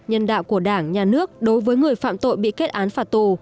nhân đạo của đảng nhà nước đối với người phạm tội bị kết án phạt tù